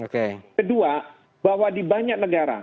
kedua bahwa di banyak negara